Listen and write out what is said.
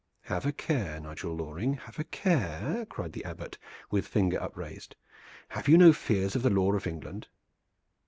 "Have a care, Nigel Loring, have a care!" cried the Abbot, with finger upraised. "Have you no fears of the law of England?"